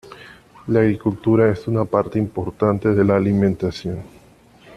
La agricultura es una parte importante de la alimentación.